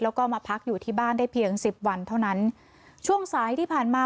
แล้วก็มาพักอยู่ที่บ้านได้เพียงสิบวันเท่านั้นช่วงสายที่ผ่านมา